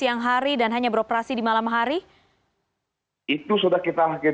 yang dimaksudkan pada awal tahun dua ribu empat belas repeat oleh navigator menusturi perolah perang ini